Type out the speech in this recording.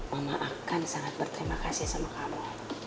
mama akan sangat berterima kasih sama kamu